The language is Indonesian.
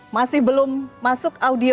masih belum masuk audio